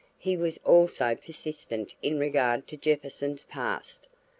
He was also persistent in regard to Jefferson's past.